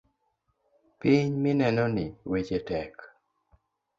Piny minenoni weche tek .